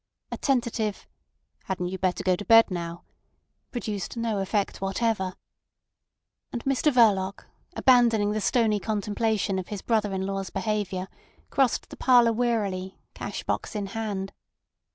A tentative "Hadn't you better go to bed now?" produced no effect whatever; and Mr Verloc, abandoning the stony contemplation of his brother in law's behaviour, crossed the parlour wearily, cash box in hand.